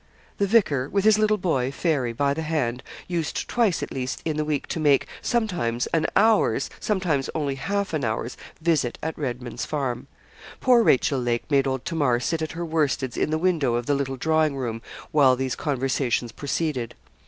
The vicar, with his little boy, Fairy, by the hand, used twice, at least, in the week to make, sometimes an hour's, sometimes only half an hours, visit at Redman's Farm. Poor Rachel Lake made old Tamar sit at her worsteds in the window of the little drawing room while these conversations proceeded.